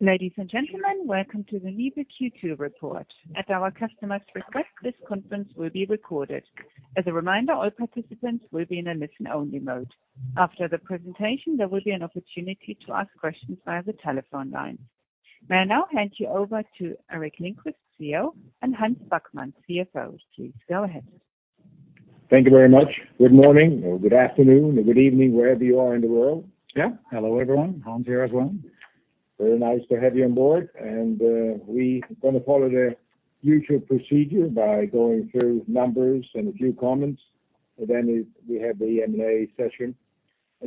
Ladies and gentlemen, welcome to the NIBE Q2 report. At our customers' request, this conference will be recorded. As a reminder, all participants will be in a listen-only mode. After the presentation, there will be an opportunity to ask questions via the telephone line. May I now hand you over to Gerteric Lindquist, CEO, and Hans Backman, CFO. Please, go ahead. Thank you very much. Good morning or good afternoon or good evening, wherever you are in the world. Yeah. Hello, everyone. Hans here as well. Very nice to have you on board, we gonna follow the usual procedure by going through numbers and a few comments, and then we, we have the Q&A session.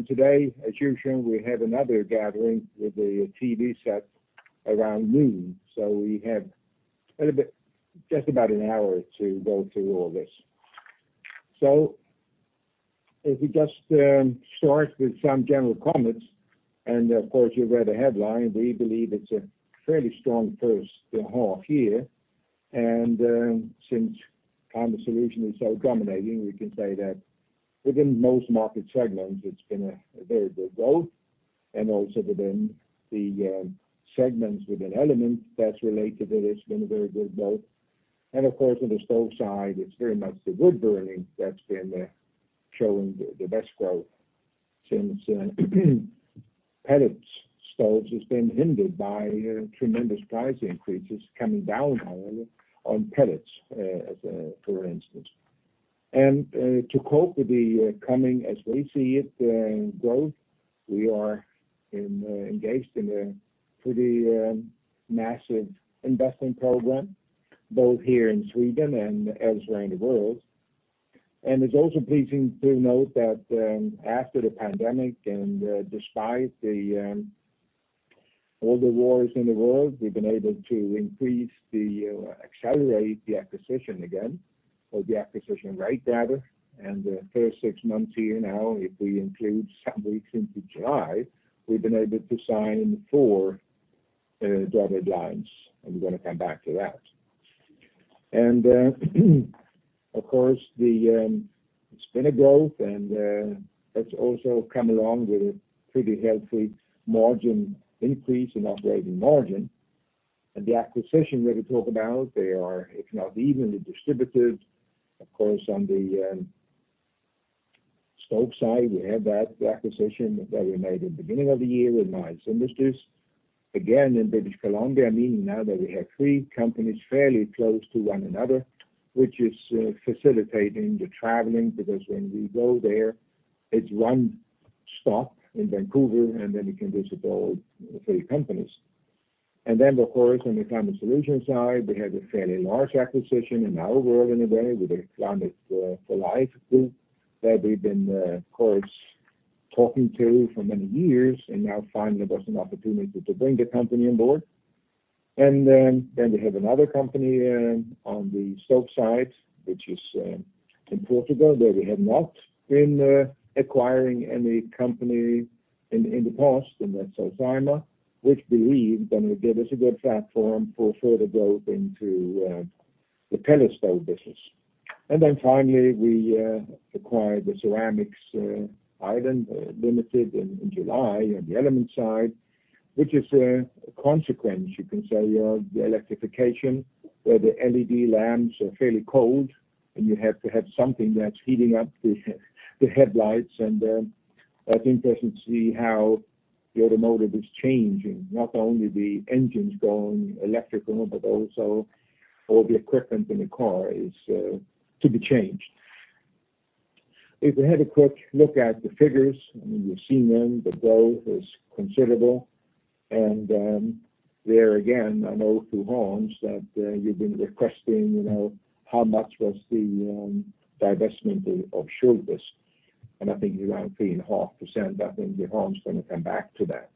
Today, as usual, we have another gathering with the TV set around noon, so we have a little bit, just about 1 hour to go through all this. If we just start with some general comments, and of course, you've read the headline, we believe it's a fairly strong first half-year. Since Climate Solutions is so dominating, we can say that within most market segments, it's been a very good growth, and also within the segments with an element that's related to it, it's been a very good growth. Of course, on the stove side, it's very much the wood burning that's been showing the best growth since pellet Stoves has been hindered by tremendous price increases coming down, however, on pellets, as for instance. To cope with the coming, as we see it, growth, we are in engaged in a pretty massive investment program, both here in Sweden and elsewhere in the world. It's also pleasing to note that after the pandemic and despite the all the wars in the world, we've been able to increase the accelerate the acquisition again or the acquisition rate rather. The first 6 months here now, if we include some weeks into July, we've been able to sign 4 dotted lines, and we're gonna come back to that. Of course, the, it's been a growth, that's also come along with a pretty healthy margin increase in operating margin. The acquisition we will talk about, they are, if not evenly distributed, of course, on the stove side, we have that, the acquisition that we made in the beginning of the year with Miles Industries, again, in British Columbia, meaning now that we have 3 companies fairly close to one another, which is facilitating the traveling, because when we go there, it's 1 stop in Vancouver, and then we can visit all the 3 companies. Of course, on the Climate Solutions side, we have a fairly large acquisition in our world, in a way, with the Climate for Life Group, that we've been, of course, talking to for many years, and now finally there was an opportunity to bring the company on board. Then we have another company on the stove side, which is in Portugal, where we have not been acquiring any company in the past, and that's Solzaima, which believe is going to give us a good platform for further growth into the pellet stove business. Then finally, we acquired the Ceramicx Ireland Limited in July, on the Element side, which is a consequence, you can say, of the electrification, where the LED lamps are fairly cold, and you have to have something that's heating up the headlights I think we should see how the automotive is changing, not only the engines going electrical, but also all the equipment in the car is to be changed. If we have a quick look at the figures, and you've seen them, the growth is considerable. There again, I know through Hans, that you've been requesting, you know, how much was the divestment of Schulthess, and I think around 3.5%. I think that Hans is gonna come back to that.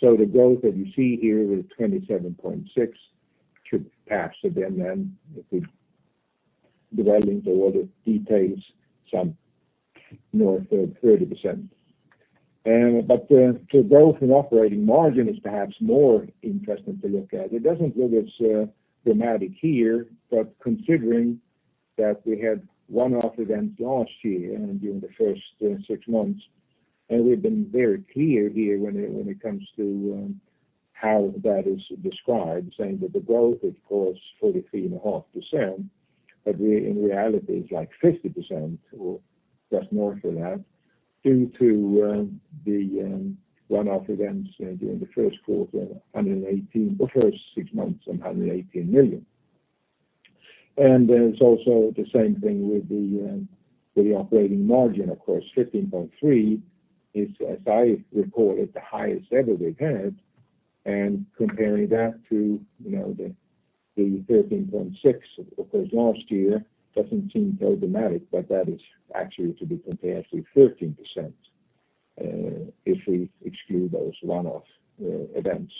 The growth that you see here with 27.6 should perhaps have been then, if we dive into all the details, some north of 30%. The growth in operating margin is perhaps more interesting to look at. It doesn't look as dramatic here, but considering that we had one-off events last year and during the first six months, and we've been very clear here when it, when it comes to how that is described, saying that the growth is, of course, 43.5%, but in reality, it's like 50% or just more than that, due to the one-off events during Q1, 118. The first six months, and 118 million. There's also the same thing with the operating margin, of course, 15.3 is, as I reported, the highest ever we've had. Comparing that to, you know, the, the 13.6 of course, last year doesn't seem so dramatic, but that is actually to be compared to 13%, if we exclude those one-off events.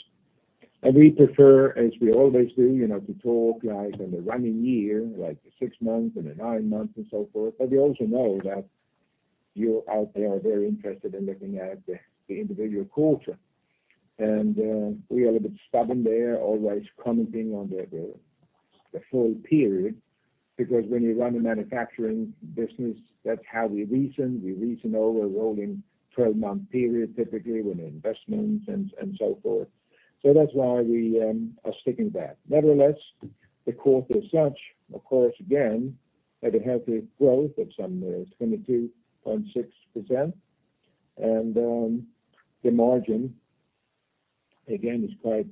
We prefer, as we always do, you know, to talk, like, in the running year, like the 6 months and the 9 months and so forth, but we also know that you out there are very interested in looking at the, the individual quarter. We are a bit stubborn there, always commenting on the, the full period, because when you run a manufacturing business, that's how we reason. We reason over a rolling 12-month period, typically, with investments and, and so forth. That's why we are sticking to that. Nevertheless, the quarter as such, of course, again, had a healthy growth of some 22.6%. The margin, again, is quite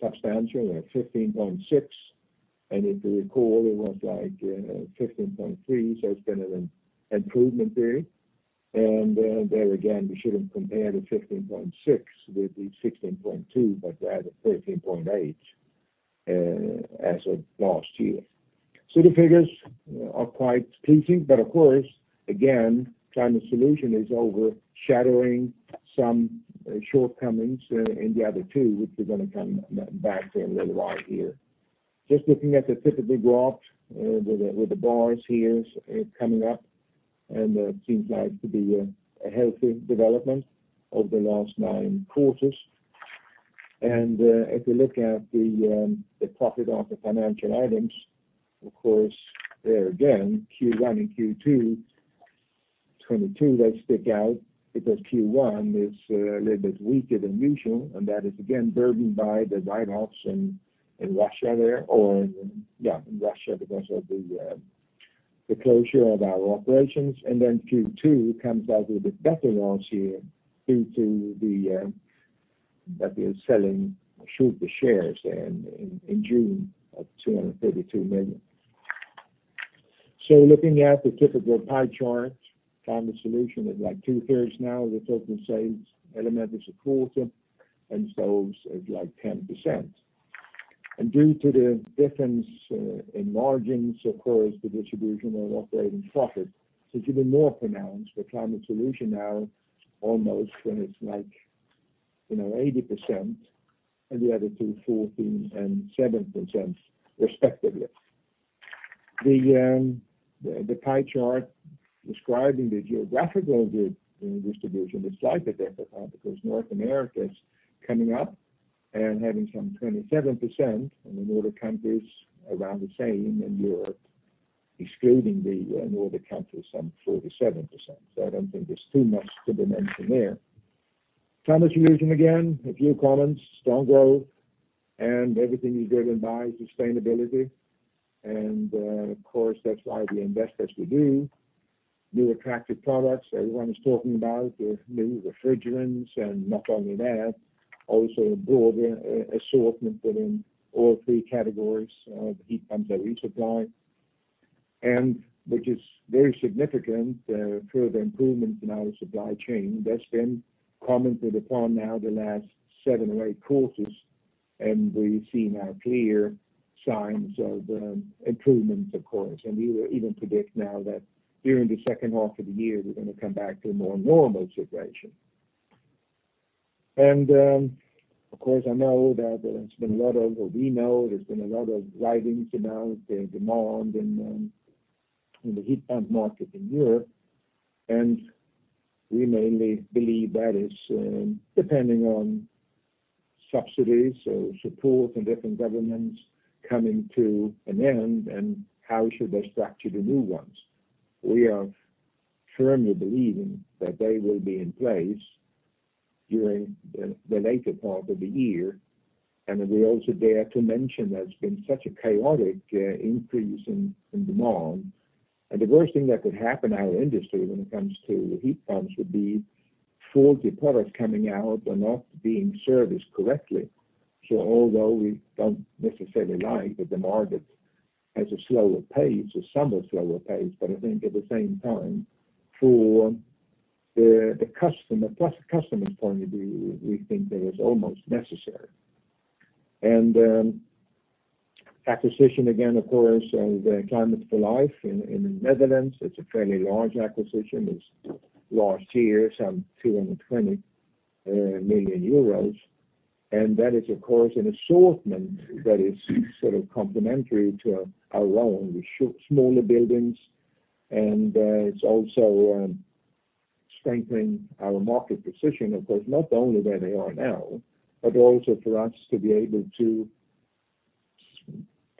substantial at 15.6%, and if you recall, it was like 15.3%, so it's been an improvement period. There again, we shouldn't compare the 15.6% with the 16.2%, but rather 13.8%, as of last year. The figures are quite pleasing, but of course, again, Climate Solutions is overshadowing some shortcomings in the other two, which we're gonna come back to in a little while here. Looking at the typical graph, with the bars here, coming up, and seems like to be a healthy development over the last nine quarters. If you look at the profit on the financial items, of course, there again, Q1 and Q2, 2022, they stick out because Q1 is a little bit weaker than usual, and that is again burdened by the write-offs in Russia there, or, yeah, in Russia because of the closure of our operations. Q2 comes out with a better loss here due to that we are selling Schulthess the shares in June of 232 million. Looking at the typical pie chart, Climate Solutions is like two-thirds now of the total sales, Element is a quarter, and Stoves is like 10%. Due to the difference in margins, of course, the distribution of operating profit is even more pronounced. The Climate Solutions now almost, when it's like, you know, 80%, and the other two, 14% and 7% respectively. The pie chart describing the geographical distribution is slightly different because North America is coming up and having some 27%, and the Nordic countries around the same, and Europe excluding the Nordic countries, some 47%. I don't think there's too much to be mentioned there. Climate Solutions, again, a few comments, strong growth, and everything is driven by sustainability. Of course, that's why we invest as we do. New attractive products, everyone is talking about the new refrigerants, and not only that, also a broader assortment within all 3 categories of heat pumps that we supply. Which is very significant, further improvements in our supply chain, that's been commented upon now the last 7 or 8 quarters, and we see now clear signs of improvement, of course. We will even predict now that during the second half of the year, we're gonna come back to a more normal situation. Of course, I know that there's been a lot of we know there's been a lot of writings about the demand in the heat pump market in Europe, and we mainly believe that is depending on subsidies or support from different governments coming to an end, and how should they structure the new ones? We are firmly believing that they will be in place during the later part of the year, and we also dare to mention there's been such a chaotic increase in demand. The worst thing that could happen in our industry when it comes to heat pumps would be faulty products coming out and not being serviced correctly. Although we don't necessarily like that the market has a slower pace, or somewhat slower pace, but I think at the same time, for the customer, plus the customer's point of view, we think that is almost necessary. Acquisition, again, of course, the Climate for Life in the Netherlands, it's a fairly large acquisition. It's last year, some 220 million euros. That is, of course, an assortment that is sort of complementary to our own. We smaller buildings, it's also strengthening our market position, of course, not only where they are now, but also for us to be able to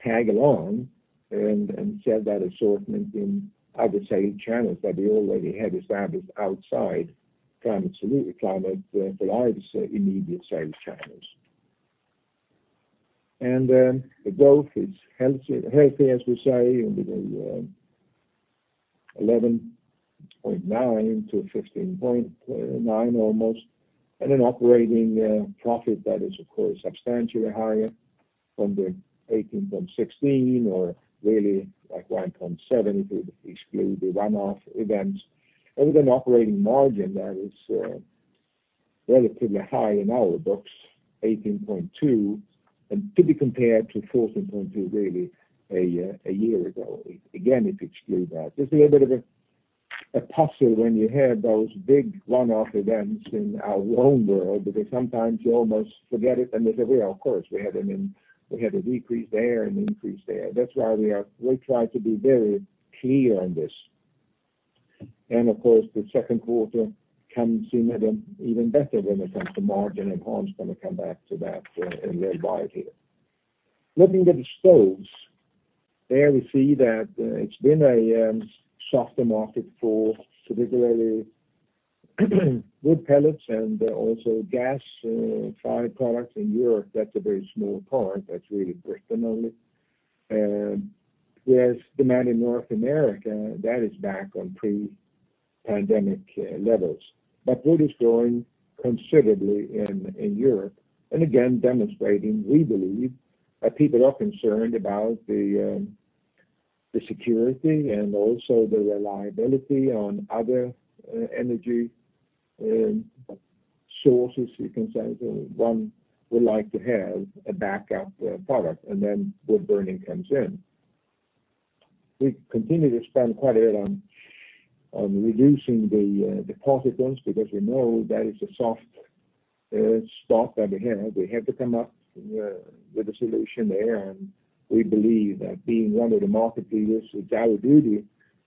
tag along and sell that assortment in other sales channels that we already had established outside Climate for Life's immediate sales channels. The growth is healthy, healthy, as we say, with a 11.9-15.9 almost, and an operating profit that is, of course, substantially higher from the 18.16 or really like 1.7, if we exclude the one-off events. With an operating margin that is relatively high in our books, 18.2, and to be compared to 14.2, really, a year, a year ago, again, if you exclude that. Just a little bit of a puzzle when you have those big one-off events in our own world, because sometimes you almost forget it and then say, "Well, of course, we had an, we had a decrease there and an increase there." That's why we try to be very clear on this. Of course, the Q2 comes in even, even better when it comes to margin, and Hans is gonna come back to that in little while here. Looking at the Stoves, there we see that it's been a softer market for particularly wood pellets and also gas fire products in Europe. That's a very small part, that's really Britain only. Whereas demand in North America, that is back on pre-pandemic levels. Wood is growing considerably in, in Europe, and again, demonstrating, we believe, that people are concerned about the security and also the reliability on other energy sources, you can say. One would like to have a backup product, and then wood burning comes in. We continue to spend quite a lot on, on reducing the particulates, because we know that is a soft spot that we have. We have to come up with a, with a solution there, and we believe that being one of the market leaders, it's our duty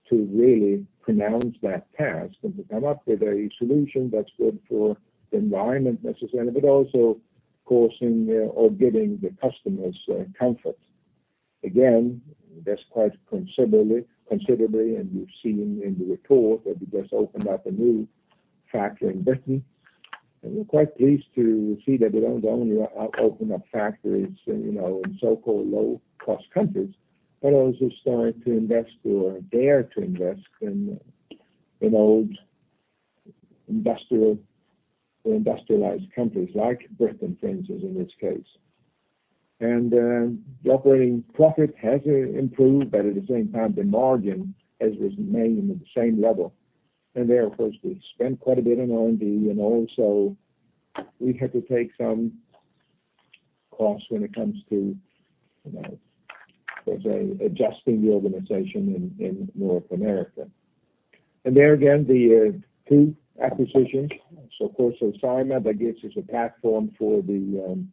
to really pronounce that task, and to come up with a solution that's good for the environment necessarily, but also causing or giving the customers comfort. Again, that's quite considerably, considerably, and you've seen in the report that we just opened up a new factory in Britain. We're quite pleased to see that we don't only open up factories, you know, in so-called low-cost countries, but also starting to invest or dare to invest in, in old industrial, or industrialized countries like Britain, for instance, in this case. The operating profit has improved, but at the same time, the margin has remained at the same level. There, of course, we spent quite a bit on R&D, and also we had to take some costs when it comes to, you know, adjusting the organization in North America. There again, the two acquisitions. Of course, Solzaima, that gives us a platform for the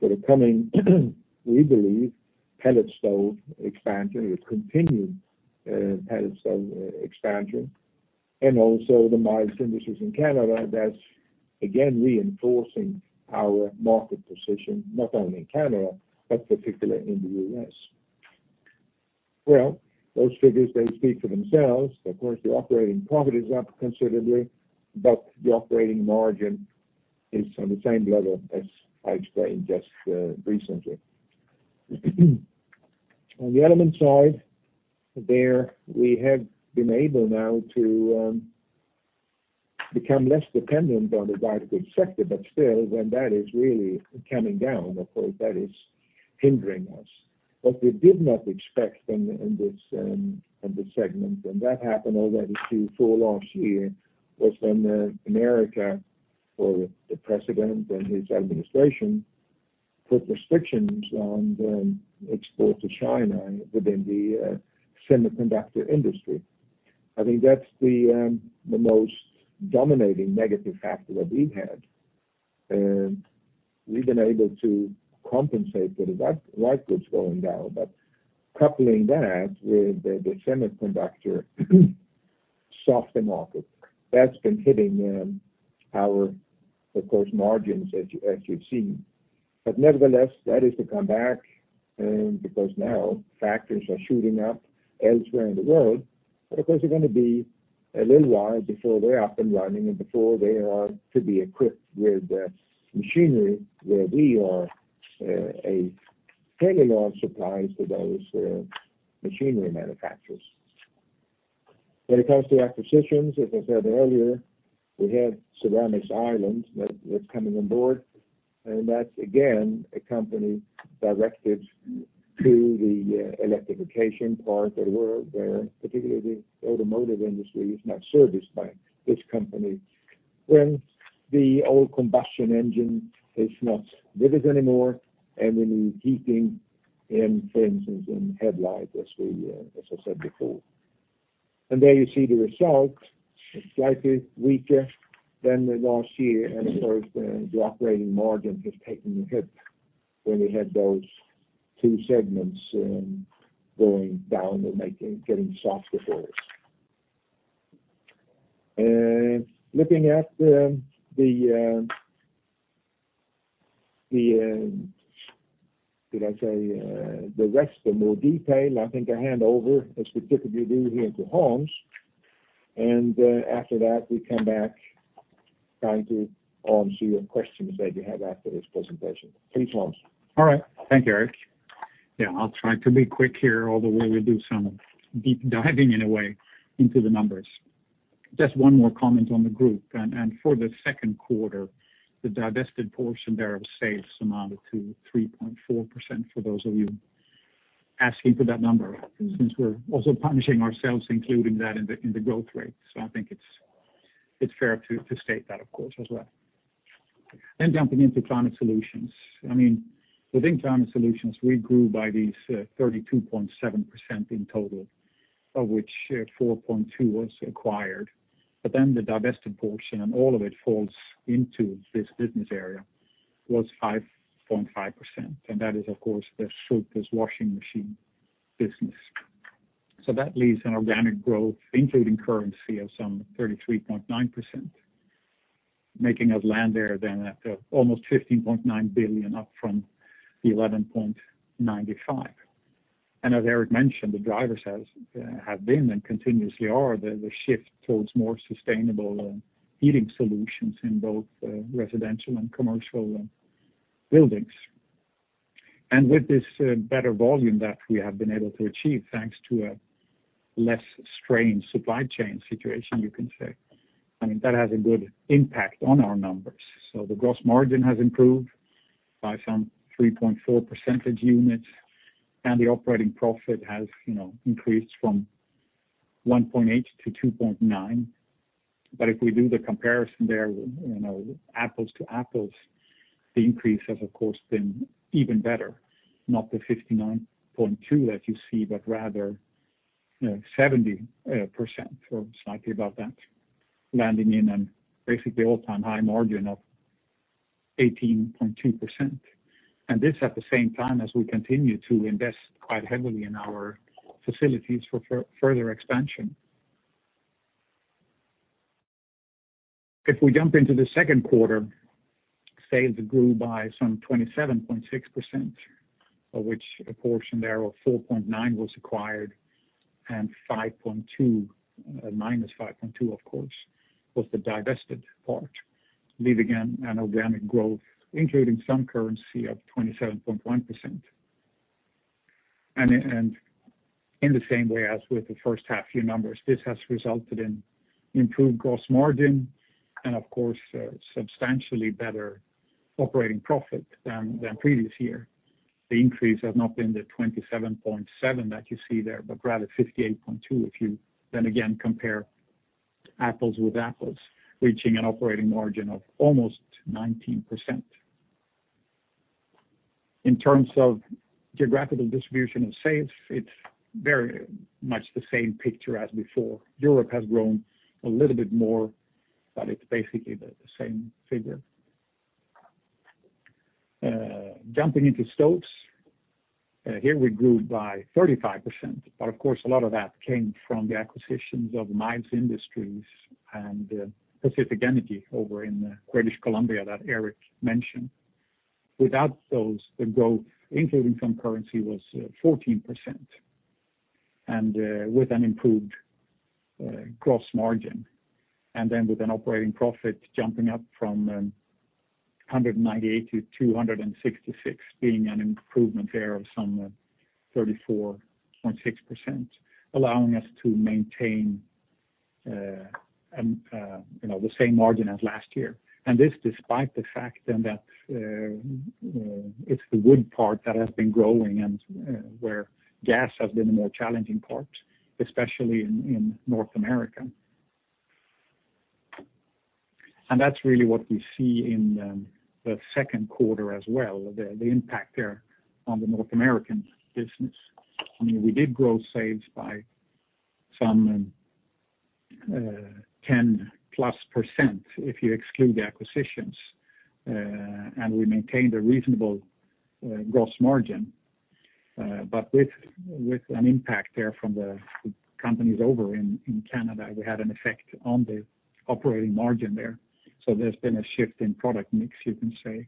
for the coming, we believe, pellet stove expansion, with continued pellet stove expansion. Also the Miles Industries in Canada, that's again, reinforcing our market position, not only in Canada, but particularly in the U.S. Well, those figures, they speak for themselves. Of course, the operating profit is up considerably, but the operating margin is on the same level as I explained just recently. On the element side, there we have been able now to become less dependent on the light goods sector, but still, when that is really coming down, of course, that is hindering us. What we did not expect in, in this segment, and that happened already through full last year, was when America, or the president and his administration, put restrictions on the export to China within the semiconductor industry. I think that's the most dominating negative factor that we've had. We've been able to compensate for the that, light goods going down. Coupling that with the, the semiconductor softer market, that's been hitting our, of course, margins, as you, as you've seen. Nevertheless, that is to come back because now factories are shooting up elsewhere in the world, but of course, they're gonna be a little while before they're up and running, and before they are to be equipped with machinery, where we are a fairly large supplier to those machinery manufacturers. When it comes to acquisitions, as I said earlier, we have Ceramicx Ireland that, that's coming on board, and that's, again, a company directed to the electrification part of the world, where particularly the automotive industry is now serviced by this company. When the old combustion engine is not with us anymore, and we need heating and, for instance, in headlights, as we, as I said before. There you see the results, slightly weaker than the last year, and of course, the, the operating margin has taken a hit when we had those two segments, going down and making, getting softer for us. Looking at, the, the... Did I say the rest in more detail? I think I hand over, as we typically do here, to Hans. After that, we come back, trying to answer your questions that you have after this presentation. Please, Hans. All right. Thank you, Eric. Yeah, I'll try to be quick here, although we will do some deep diving in a way, into the numbers. Just one more comment on the group, for the Q2, the divested portion there of sales amounted to 3.4%, for those of you asking for that number. Since we're also punishing ourselves, including that in the, in the growth rate, I think it's, it's fair to, to state that, of course, as well. Jumping into Climate Solutions. I mean, within Climate Solutions, we grew by these 32.7% in total, of which 4.2 was acquired. The divested portion and all of it falls into this business area, was 5.5%, and that is, of course, the surplus washing machine business. That leaves an organic growth, including currency, of some 33.9%, making us land there then at almost 15.9 billion, up from the 11.95 billion. As Eric mentioned, the drivers has have been and continuously are the shift towards more sustainable heating solutions in both residential and commercial buildings. With this better volume that we have been able to achieve, thanks to a less strained supply chain situation, you can say, I mean, that has a good impact on our numbers. The gross margin has improved by some 3.4 percentage units, and the operating profit has, you know, increased from 1.8 to 2.9. If we do the comparison there, you know, apples to apples, the increase has, of course, been even better. Not the 59.2 that you see, but rather, you know, 70% or slightly above that. Landing in an basically all-time high margin of 18.2%, and this, at the same time, as we continue to invest quite heavily in our facilities for further expansion. If we jump into the Q2, sales grew by some 27.6%, of which a portion there of 4.9 was acquired, and 5.2, -5.2, of course, was the divested part. Leaving, again, an organic growth, including some currency of 27.1%. In the same way as with the first half year numbers, this has resulted in improved gross margin and, of course, substantially better operating profit than, than previous year. The increase has not been the 27.7 that you see there, but rather 58.2, if you then again compare apples with apples, reaching an operating margin of almost 19%. In terms of geographical distribution of sales, it's very much the same picture as before. Europe has grown a little bit more, but it's basically the same figure. Jumping into Stoves, here we grew by 35%, of course, a lot of that came from the acquisitions of Miles Industries and Pacific Energy over in British Columbia that Eric mentioned. Without those, the growth, including some currency, was 14%, with an improved gross margin, then with an operating profit jumping up from 198 to 266, being an improvement there of some 34.6%, allowing us to maintain, you know, the same margin as last year. This, despite the fact then that, it's the wood part that has been growing and, where gas has been the more challenging part, especially in North America. That's really what we see in the Q2 as well, the impact there on the North American business. I mean, we did grow sales by some 10+% if you exclude the acquisitions, and we maintained a reasonable gross margin. With, with an impact there from the companies over in, in Canada, we had an effect on the operating margin there. There's been a shift in product mix, you can say,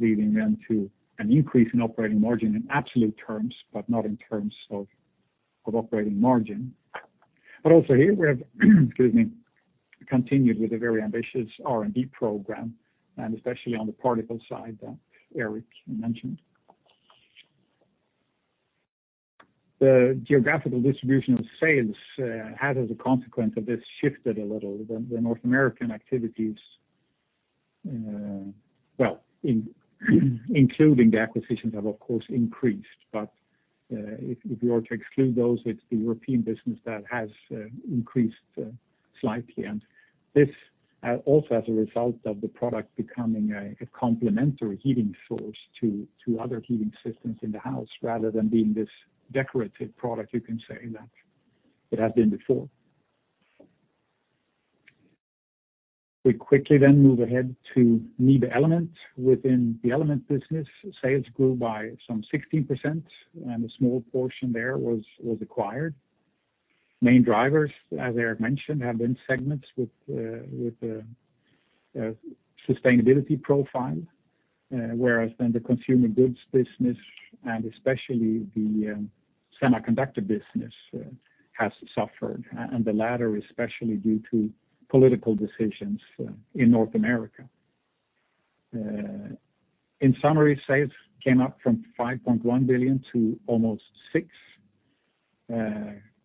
leading then to an increase in operating margin in absolute terms, but not in terms of, of operating margin. Also here we have, excuse me, continued with a very ambitious R&D program, and especially on the particle side that Eric mentioned. The geographical distribution of sales has, as a consequence of this, shifted a little. The, the North American activities, well, including the acquisitions, have of course increased. If, if you were to exclude those, it's the European business that has increased slightly. This also as a result of the product becoming a complementary heating source to other heating systems in the house, rather than being this decorative product, you can say that it had been before. We quickly then move ahead to NIBE Element. Within the Element business, sales grew by some 16%, and a small portion there was acquired. Main drivers, as Eric mentioned, have been segments with a sustainability profile. Whereas then the consumer goods business, and especially the semiconductor business, has suffered, and the latter, especially, due to political decisions in North America. In summary, sales came up from 5.1 billion to almost 6.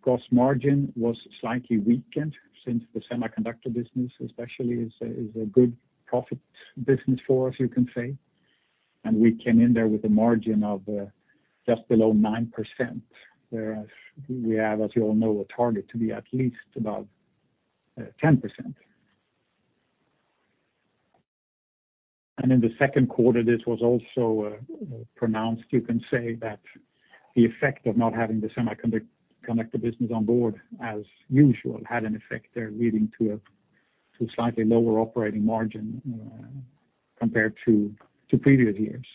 Cost margin was slightly weakened since the semiconductor business, especially, is a good profit business for us, you can say. We came in there with a margin of just below 9%, whereas we have, as you all know, a target to be at least about 10%. In the Q2, this was also pronounced. You can say that the effect of not having the semiconductor business on board as usual, had an effect there, leading to a slightly lower operating margin compared to previous years.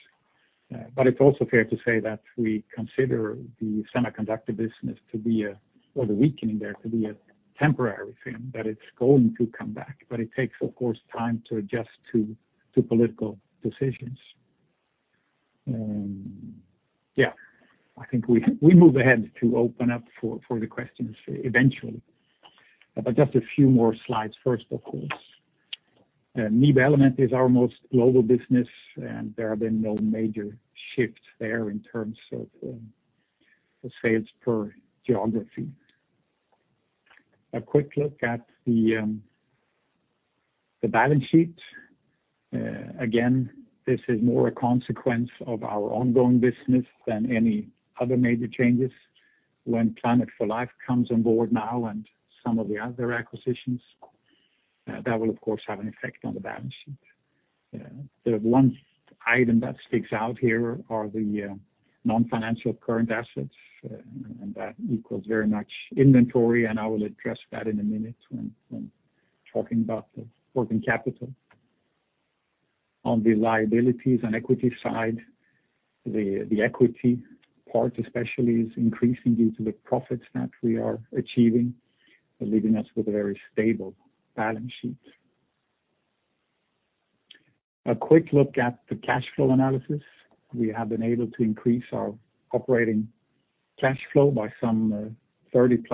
It's also fair to say that we consider the semiconductor business to be a temporary thing, that it's going to come back. It takes, of course, time to adjust to political decisions. Yeah, I think we move ahead to open up for the questions eventually. Just a few more slides first, of course. r most global business, and there have been no major shifts there in terms of the sales per geography. A quick look at the balance sheet. Again, this is more a consequence of our ongoing business than any other major changes. When Climate for Life comes on board now, and some of the other acquisitions, that will, of course, have an effect on the balance sheet. The one item that sticks out here are the non-financial current assets, and that equals very much inventory, and I will address that in a minute when talking about the working capital. On the liabilities and equity side, the equity part especially, is increasing due to the profits that we are achieving, leaving us with a very stable balance sheet. A quick look at the cash flow analysis We have been able to increase our operating cash flow by some 30%+.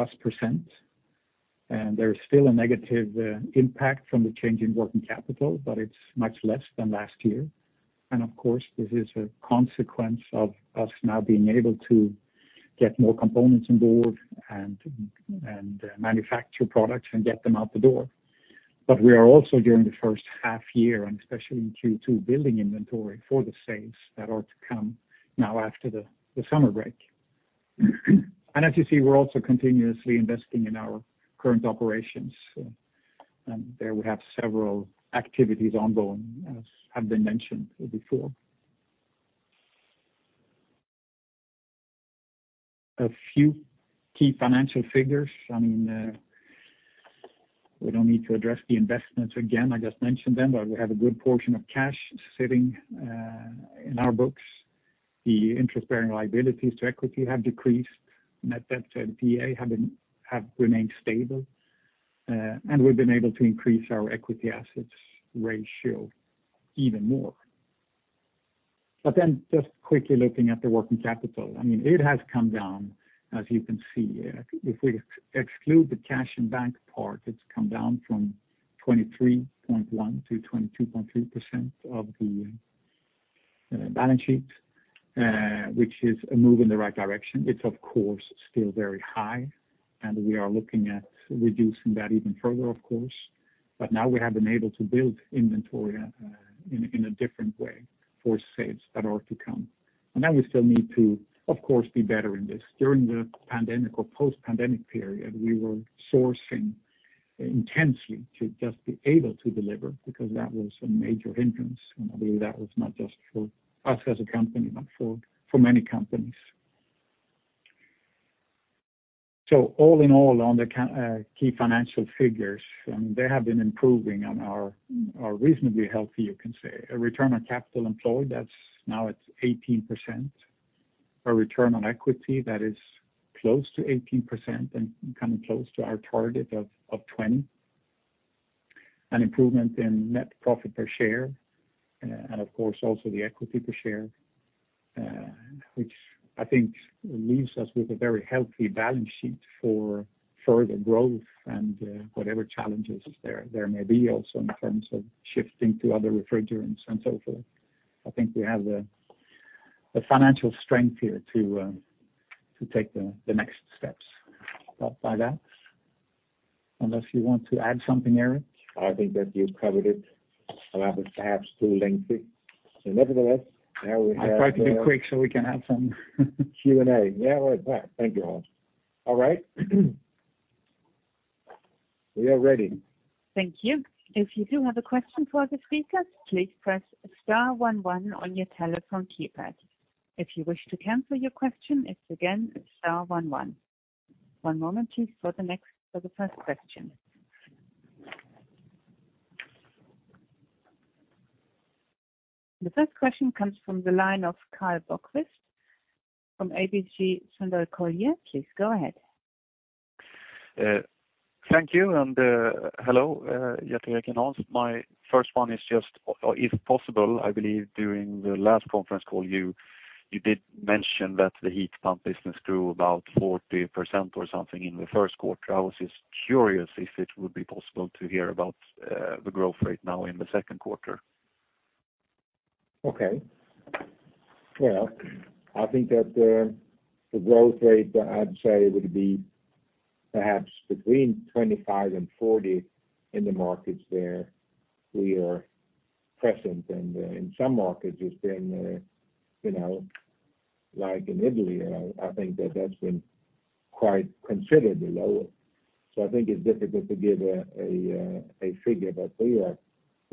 There is still a negative impact from the change in working capital, but it's much less than last year. Of course, this is a consequence of us now being able to get more components on board and manufacture products and get them out the door. We are also, during the first half-year, and especially in Q2, building inventory for the sales that are to come now after the summer break. As you see, we're also continuously investing in our current operations, and there we have several activities ongoing, as have been mentioned before. A few key financial figures. I mean, we don't need to address the investments again. I just mentioned them, but we have a good portion of cash sitting in our books. The Interest-Bearing Debt to Equity have decreased, net debt to EBITDA have remained stable, and we've been able to increase our Equity Assets Ratio even more. Just quickly looking at the working capital, I mean, it has come down, as you can see. If we exclude the cash and bank part, it's come down from 23.1 to 22.3% of the balance sheet, which is a move in the right direction. It's, of course, still very high, and we are looking at reducing that even further, of course. Now we have been able to build inventory in a different way for sales that are to come. We still need to, of course, be better in this. During the pandemic or post-pandemic period, we were sourcing intensely to just be able to deliver, because that was a major hindrance, and I believe that was not just for us as a company, but for, for many companies. All in all, on the key financial figures, they have been improving and are, are reasonably healthy, you can say. A return on capital employed, that's now at 18%. A return on equity that is close to 18% and coming close to our target of, of 20. An improvement in net profit per share, and of course, also the equity per share, which I think leaves us with a very healthy balance sheet for further growth and whatever challenges there, there may be also in terms of shifting to other refrigerants and so forth. I think we have the, the financial strength here to, to take the, the next steps. Stop by that. Unless you want to add something, Eric? I think that you covered it, perhaps too lengthy. Nevertheless, now we have... I tried to be quick so we can have some - Q&A. Yeah, right. Thank you, Hans. All right, we are ready. Thank you. If you do have a question for the speakers, please press star one one on your telephone keypad. If you wish to cancel your question, it's again, star one one. One moment, please, for the first question. The first question comes from the line of Karl Bokvist from ABG Sundal Collier. Please, go ahead. Thank you, and hello, yet again, Hans. My first one is just, if possible, I believe during the last conference call, you, you did mention that the heat pump business grew about 40% or something in the Q1. I was just curious if it would be possible to hear about the growth rate now in the Q2. Okay. Well, I think that the growth rate, I'd say, would be perhaps between 25 and 40 in the markets where we are present. In some markets, it's been, you know, like in Italy, I, I think that that's been quite considerably lower. I think it's difficult to give a, a figure, but we are,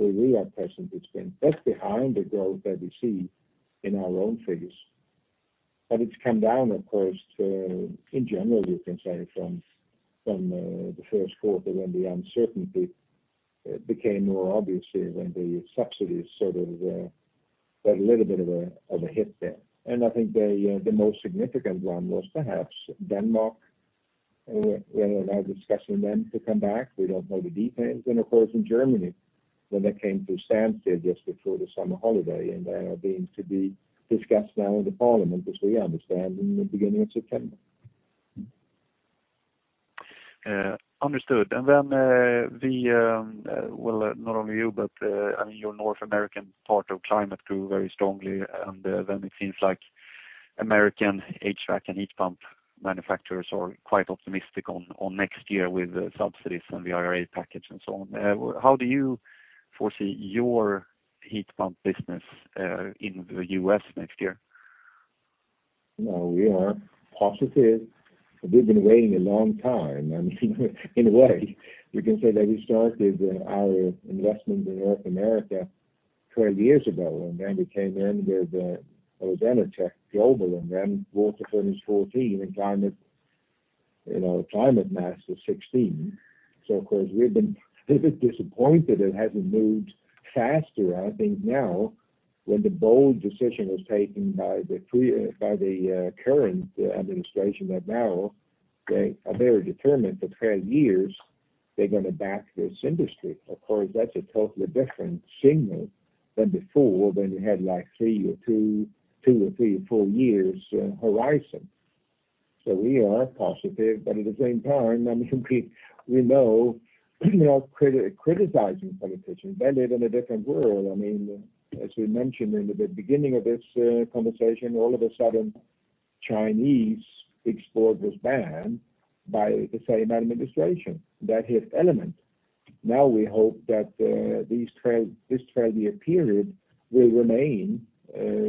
we are present. It's been just behind the growth that we see in our own figures. It's come down, of course, in general, you can say from, from the 1st quarter when the uncertainty became more obvious when the subsidies sort of got a little bit of a hit there. I think the most significant one was perhaps Denmark, we're now discussing them to come back. We don't know the details. Of course, in Germany, when they came to standstill just before the summer holiday, and, being to be discussed now in the Parliament, which we understand in the beginning of September. understood. Then, the, well, not only you, but, I mean, your North American part of NIBE Climate Solutions grew very strongly, and, then it seems like American HVAC and heat pump manufacturers are quite optimistic on, on next year with the subsidies and the IRA package and so on. How do you foresee your heat pump business, in the U.S. next year? Well, we are positive. We've been waiting a long time. I mean, in a way, you can say that we started our investment in North America 12 years ago, and then we came in with, it was Enertech Global, and then WaterFurnace 14, and climate, you know, ClimateMaster 16. Of course, we've been a bit disappointed it hasn't moved faster. I think now, when the bold decision was taken by the current administration, that now they are very determined, for 12 years they're gonna back this industry. Of course, that's a totally different signal than before, when you had, like, 3 or 2, 2 or 3 or 4 years, horizon. We are positive, but at the same time, I mean, we, we know we are criticizing politicians. They live in a different world. I mean, as we mentioned in the beginning of this conversation, all of a sudden, Chinese export was banned by the same administration. That hit Element. Now we hope that this 12-year period will remain,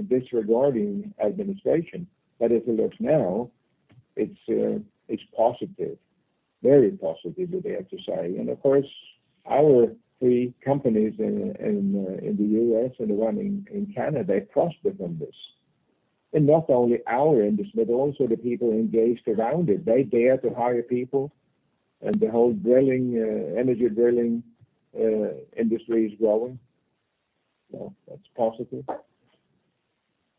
disregarding administration. As it looks now, it's positive, very positive, that I have to say. Of course, our 3 companies in the U.S. and the 1 in Canada, they prosper from this. Not only our industry, but also the people engaged around it. They dare to hire people, and the whole drilling, energy drilling, industry is growing. That's positive.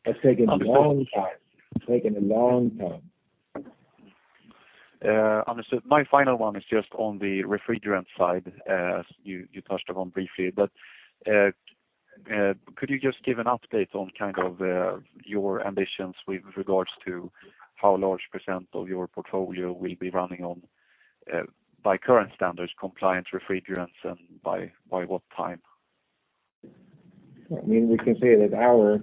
It's taken a long time. Taken a long time. Understood. My final one is just on the refrigerant side, you, you touched upon briefly, but, could you just give an update on kind of, your ambitions with regards to how large % of your portfolio will be running on, by current standards, compliance, refrigerants, and by, by what time? I mean, we can say that our,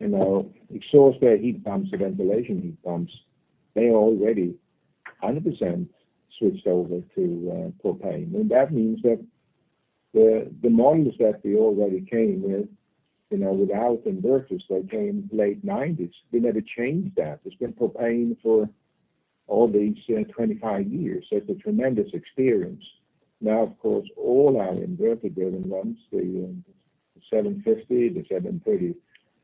you know, exhaust air heat pumps and ventilation heat pumps, they already 100% switched over to propane. That means that the, the models that we already came with, you know, with out inverters, they came late 90s. We never changed that. It's been propane for all these 25 years, so it's a tremendous experience. Now, of course, all our inverter driven pumps, the NIBE F750, the NIBE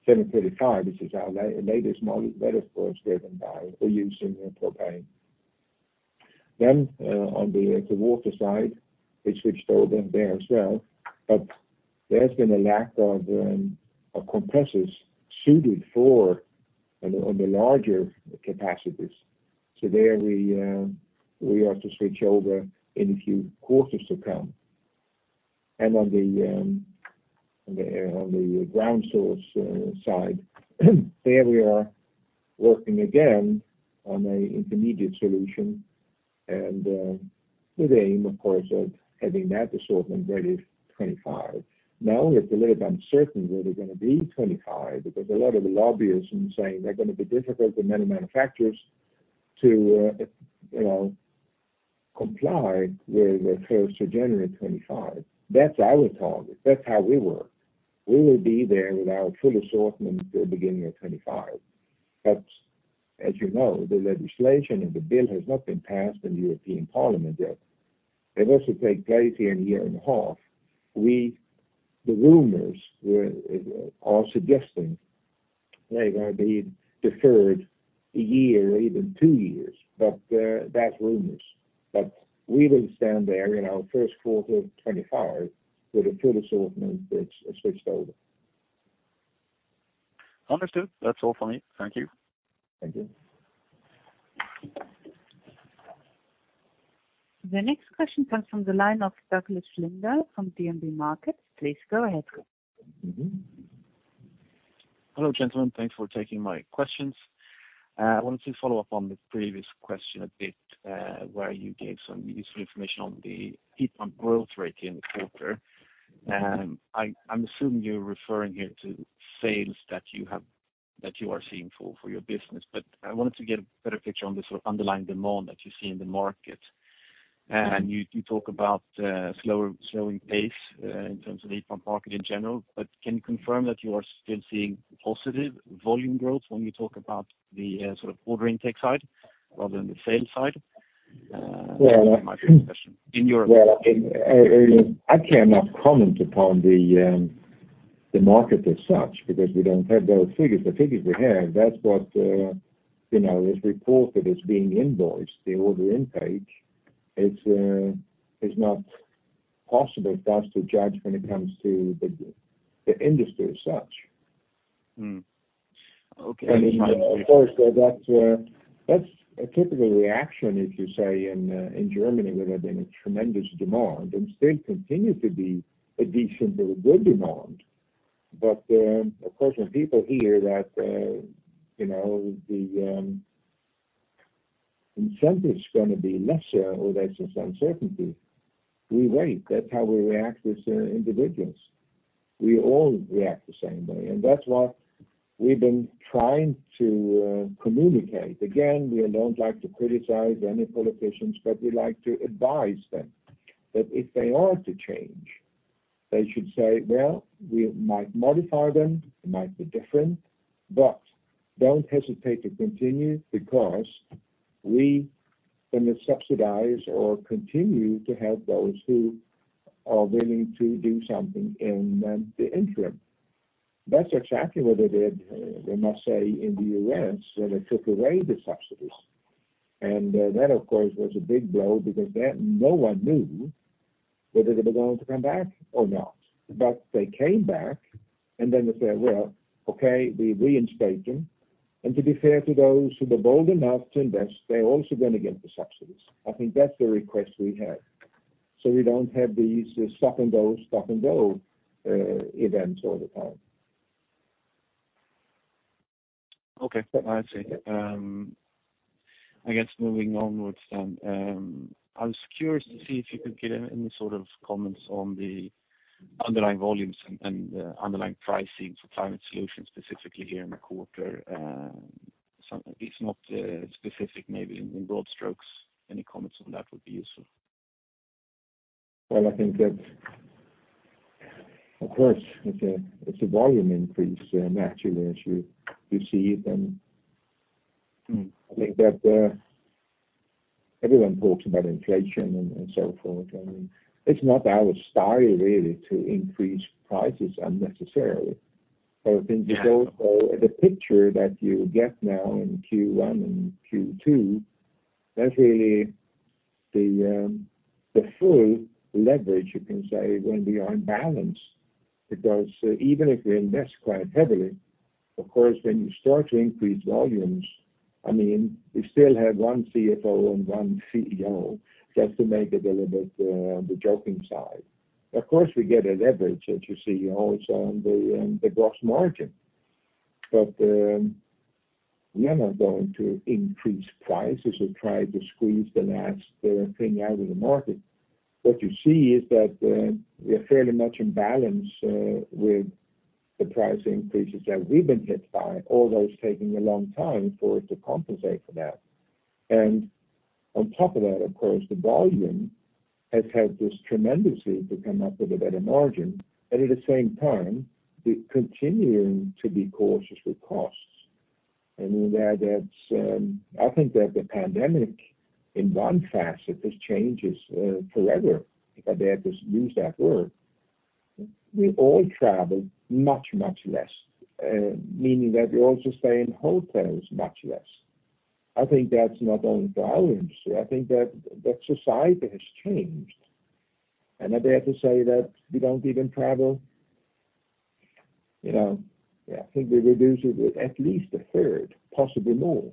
F730, NIBE F735, this is our latest model, that of course, driven by or using propane. On the, the water side, we switched over there as well, but there's been a lack of compressors suited for on the, on the larger capacities. There we, we have to switch over in a few quarters to come. On the ground source side, there we are working again on an intermediate solution with aim, of course, of having that assortment ready 2025. Now, it's a little bit uncertain whether they're gonna be 2025, because a lot of the lobbyists are saying they're gonna be difficult for many manufacturers to, you know, comply with the 1st of January, 2025. That's our target. That's how we work. We will be there with our full assortment at the beginning of 2025. As you know, the legislation and the bill has not been passed in the European Parliament yet. It also take place in a year and a half. The rumors were suggesting they're gonna be deferred 1 year or even 2 years, but that's rumors. We will stand there in our Q1 of 25 with a full assortment that's switched over. Understood. That's all for me. Thank you. Thank you. The next question comes from the line of Douglas Lindahl from DNB Markets. Please go ahead. Mm-hmm. Hello, gentlemen. Thanks for taking my questions. I wanted to follow up on the previous question a bit, where you gave some useful information on the heat pump growth rate in the quarter. I, I'm assuming you're referring here to sales that you are seeing for, for your business. I wanted to get a better picture on the sort of underlying demand that you see in the market. You, you talk about, slower, slowing pace, in terms of the heat pump market in general, but can you confirm that you are still seeing positive volume growth when you talk about the sort of order intake side rather than the sales side? My first question. Well, I, I, I cannot comment upon the, the market as such, because we don't have those figures. The figures we have, that's what, you know, is reported as being invoiced, the order intake. It's, it's not possible for us to judge when it comes to the, the industry as such. Mm. Okay. Of course, that's, that's a typical reaction, if you say in Germany, where there's been a tremendous demand, and still continues to be a decent or a good demand. Of course, when people hear that, you know, the incentive is gonna be lesser or there's some uncertainty, we wait. That's how we react as individuals. We all react the same way, and that's what we've been trying to communicate. Again, we don't like to criticize any politicians, but we like to advise them that if they are to change, they should say, "Well, we might modify them, it might be different, but don't hesitate to continue, because we gonna subsidize or continue to help those who are willing to do something in the interim." That's exactly what they did, I must say, in the US, when they took away the subsidies. That, of course, was a big blow because then no one knew whether they were going to come back or not. They came back, and then they said, "Well, okay, we reinstate them, and to be fair to those who were bold enough to invest, they're also going to get the subsidies." I think that's the request we have, so we don't have these stop and go, stop and go events all the time. Okay. I see. I guess moving onwards then, I was curious to see if you could give any sort of comments on the underlying volumes and underlying pricing for Climate Solutions, specifically here in the quarter. Some, if it's not, specific, maybe in broad strokes, any comments on that would be useful. Well, I think that, of course, it's a, it's a volume increase, naturally, as you, you see it. Mm I think that everyone talks about inflation and so forth, I mean, it's not our style really to increase prices unnecessarily. I think the picture that you get now in Q1 and Q2, that's really the full leverage, you can say, when we are in balance, because even if we invest quite heavily, of course, when you start to increase volumes, I mean, we still have 1 CFO and 1 CEO. Just to make it a little bit the joking side. Of course, we get an leverage, as you see also on the gross margin. We are not going to increase prices or try to squeeze the last thing out of the market. What you see is that we are fairly much in balance with the price increases that we've been hit by, although it's taking a long time for it to compensate for that. On top of that, of course, the volume has helped us tremendously to come up with a better margin, and at the same time, we're continuing to be cautious with costs. I mean that, that's. I think that the pandemic, in one facet, has changed us forever. I dare just use that word. We all travel much, much less, meaning that we also stay in hotels much less. I think that's not only for our industry, I think that the society has changed, and I dare to say that we don't even travel, you know, I think we reduce it with at least a third, possibly more,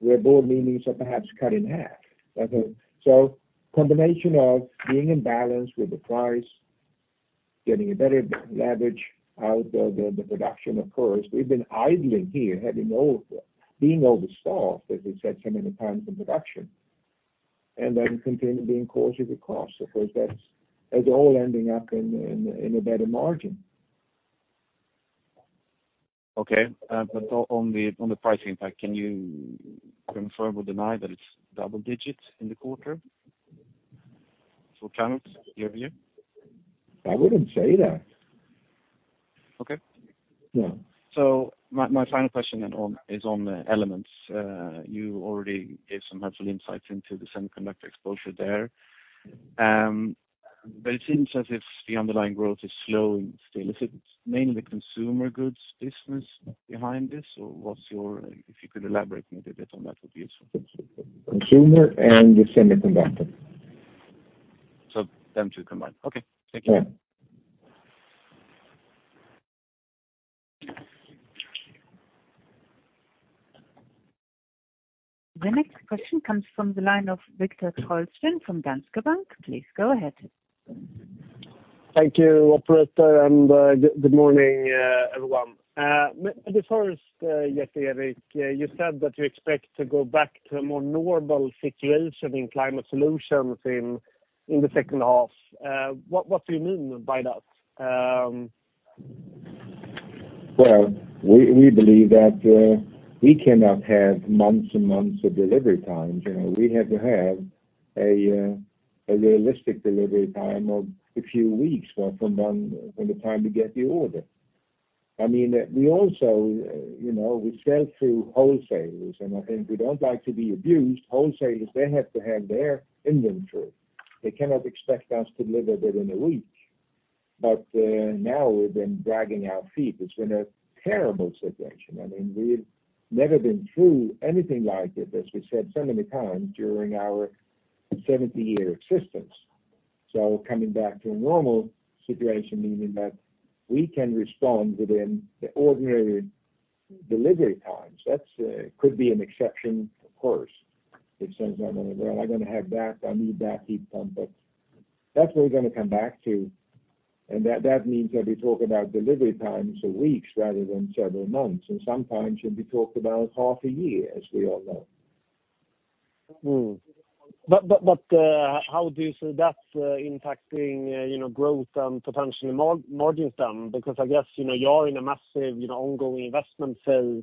where more meaning so perhaps cut in half. Okay, combination of being in balance with the price, getting a better leverage out of the, the production, of course. We've been idling here, being overstaffed, as we said, so many times in production, and then continuing being cautious with costs. Of course, that's, that's all ending up in, in, in a better margin. Okay. On the, on the pricing impact, can you confirm or deny that it's double digits in the quarter? For climate year view. I wouldn't say that. Okay. Yeah. My, my final question then on, is on the elements. You already gave some helpful insights into the semiconductor exposure there. But it seems as if the underlying growth is slowing still. Is it mainly consumer goods business behind this? If you could elaborate a little bit on that, would be useful. Consumer and the semiconductor. Them two combined. Okay. Thank you. Yeah. The next question comes from the line of Viktor Trollsten from Danske Bank. Please go ahead. Thank you, operator, and good, good morning, everyone. The first, Gerteric, you said that you expect to go back to a more normal situation in Climate Solutions in, in the second half. What, what do you mean by that? Well, we, we believe that we cannot have months and months of delivery times. You know, we have to have a realistic delivery time of a few weeks, well, from when, from the time we get the order. I mean, we also, you know, we sell through wholesalers, and I think we don't like to be abused. Wholesalers, they have to have their inventory. They cannot expect us to deliver within a week. Now we've been dragging our feet. It's been a terrible situation. I mean, we've never been through anything like it, as we said so many times during our 70-year existence. Coming back to a normal situation, meaning that we can respond within the ordinary delivery times, that's could be an exception, of course. It says, I'm gonna, well, I'm gonna have that, I need that heat pump, but that's what we're gonna come back to, and that, that means that we talk about delivery times of weeks rather than several months, and sometimes should be talked about half a year, as we all know. How do you see that impacting, you know, growth and potentially margins then? Because I guess, you know, you're in a massive, you know, ongoing investment phase.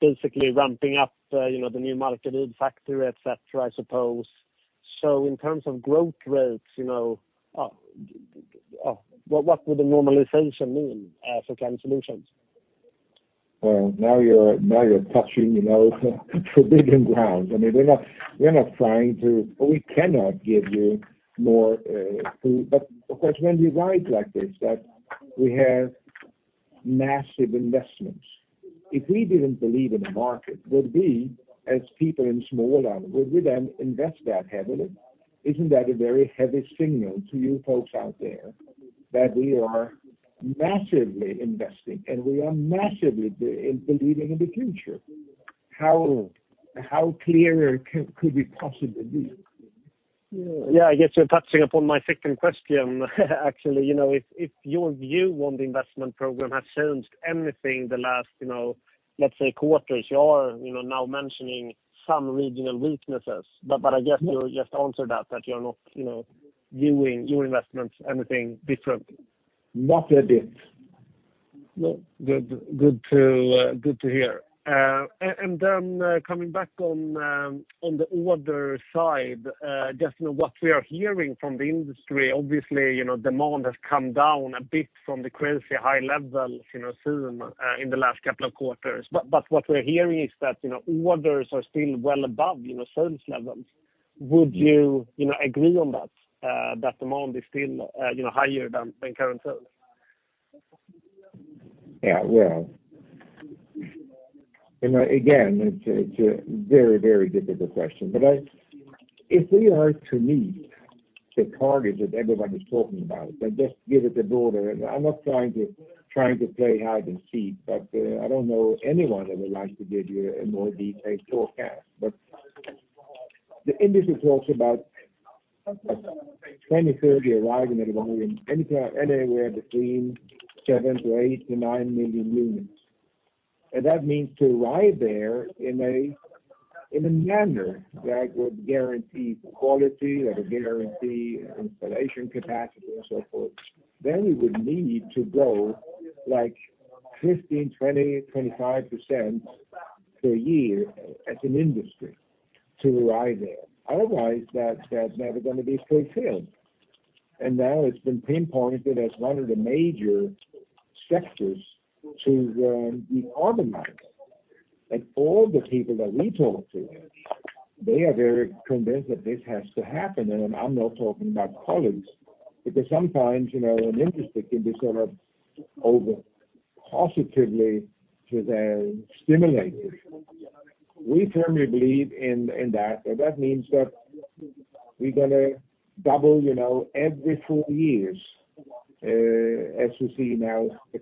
You're basically ramping up, you know, the new market, new factory, et cetera, I suppose. In terms of growth rates, you know, what would the normalization mean for Climate Solutions? Well, now you're, now you're touching, you know, forbidden grounds. I mean, we're not, we're not trying to, but we cannot give you more, but of course, when we write like this, that we have massive investments. If we didn't believe in the market, would we, as people in Småland, would we then invest that heavily? Isn't that a very heavy signal to you folks out there, that we are massively investing, and we are massively be- believing in the future? How, how clear can, could we possibly be? Yeah, I guess you're touching upon my second question, actually. You know, if, if your view on the investment program has changed anything in the last, you know, let's say quarters, you are, you know, now mentioning some regional weaknesses. I guess you just answered that, that you're not, you know, viewing your investments anything different. Not a bit. No. Good, good to, good to hear. Coming back on, on the order side, just, you know, what we are hearing from the industry, obviously, you know, demand has come down a bit from the crazy high levels, you know, seen, in the last couple of quarters. What we're hearing is that, you know, orders are still well above, you know, sales levels. Would you, you know, agree on that, that demand is still, you know, higher than, than current sales? Yeah, well, you know, again, it's a very, very difficult question. If we are to meet the targets that everybody's talking about, but just give it a broader... I'm not trying to, trying to play hide and seek, but I don't know anyone that would like to give you a more detailed forecast. The industry talks about 2030 arriving at around anywhere, anywhere between 7-9 million units. That means to arrive there in a manner that would guarantee quality, that would guarantee installation capacity, and so forth, then we would need to go, like, 15%-25% per year as an industry to arrive there. Otherwise, that's, that's never gonna be fulfilled. Now it's been pinpointed as one of the major sectors to decarbonize. All the people that we talk to, they are very convinced that this has to happen, and I'm not talking about colleagues. Because sometimes, you know, an industry can be sort of over-positively to then stimulated. We firmly believe in, in that, and that means that we're gonna double, you know, every 4 years, as you see now, the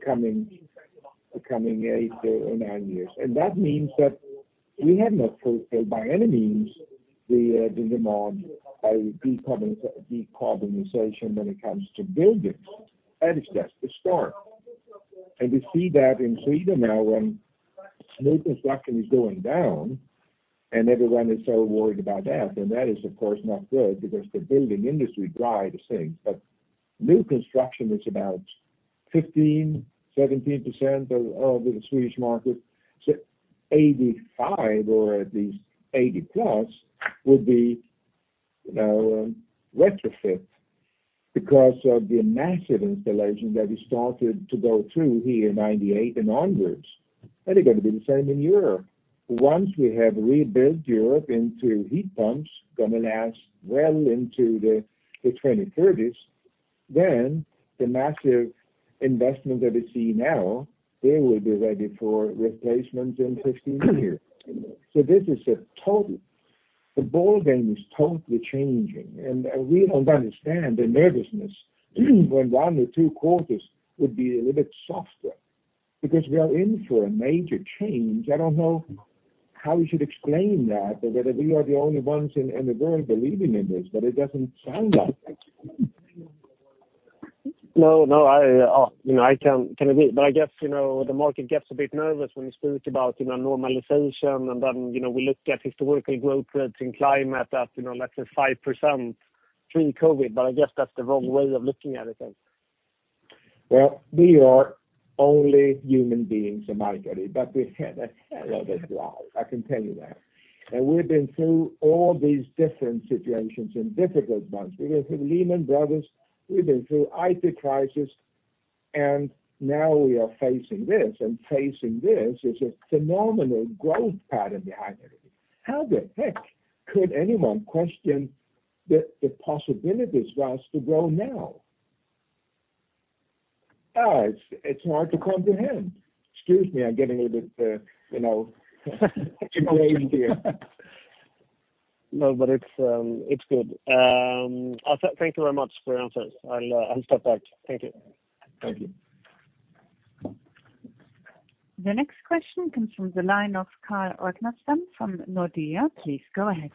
coming, the coming 8 or 9 years. That means that we have not fulfilled by any means the demand by decarbonization when it comes to buildings, and it's just the start. We see that in Sweden now, when new construction is going down, and everyone is so worried about that, and that is, of course, not good because the building industry drive the same. New construction is about 15%-17% of, of the Swedish market. 85 or at least 80+ would be, you know, retrofit because of the massive installation that we started to go through here in 1998 and onwards. It's gonna be the same in Europe. Once we have rebuilt Europe into heat pumps, gonna last well into the 2030s, then the massive investment that we see now, they will be ready for replacement in 15 years. The ballgame is totally changing, and we don't understand the nervousness when 1 or 2 quarters would be a little bit softer because we are in for a major change. I don't know how you should explain that, or whether we are the only ones in the world believing in this, but it doesn't sound like it. No, no, I, you know, I can't, can agree. I guess, you know, the market gets a bit nervous when you speak about, you know, normalization, and then, you know, we look at historical growth rates in climate at, you know, let's say 5% through COVID, I guess that's the wrong way of looking at it then. Well, we are only human beings, ironically, but we've had a hell of a drive, I can tell you that. We've been through all these different situations and difficult ones. We've been through Lehman Brothers, we've been through IT crisis, and now we are facing this, and facing this is a phenomenal growth pattern behind it. How the heck could anyone question the, the possibilities for us to grow now? It's, it's hard to comprehend. Excuse me, I'm getting a little bit, you know, enraged here. No, but it's good. Thank you very much for your answers. I'll step back. Thank you. Thank you. The next question comes from the line of Carl Ragnerstam from Nordea. Please go ahead.